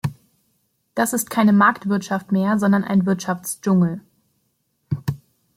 Das ist keine Marktwirtschaft mehr, sondern ein Wirtschaftsdschungel.